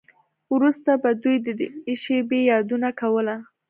وروسته به دوی د دې شیبې یادونه کوله